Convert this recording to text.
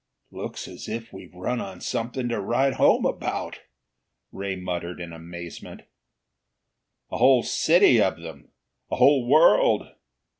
"Looks as if we've run on something to write home about," Ray muttered in amazement. "A whole city of them! A whole world!